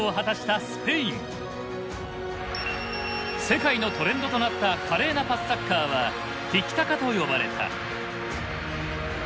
世界のトレンドとなった華麗なパスサッカーは「ティキタカ」と呼ばれた。